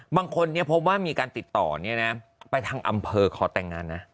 บางคนพบว่ามีการติดต่อไปทางอำเภอขอแต่งงานนะ